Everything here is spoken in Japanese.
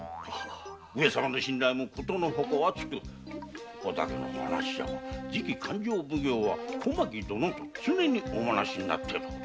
上様の信頼も殊のほか厚くここだけの話だが次の勘定奉行は小牧殿と常におもらしになっておられる。